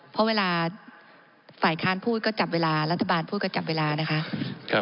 เพราะเวลาฝ่ายค้านพูดก็จับเวลารัฐบาลพูดก็จับเวลานะคะ